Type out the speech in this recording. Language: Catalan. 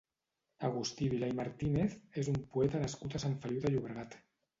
Agustí Vilar i Martínez és un poeta nascut a Sant Feliu de Llobregat.